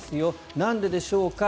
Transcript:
なんででしょうか？